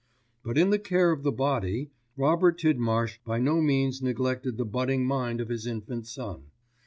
But in the care of the body, Robert Tidmarsh by no means neglected the budding mind of his infant son.